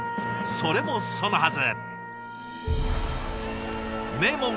それもそのはず。